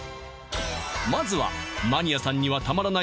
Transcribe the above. まずはマニアさんにはたまらない